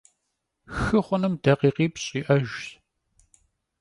Xı xhunım dakhikhipş' yi'ejjş.